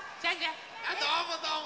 あどうもどうも。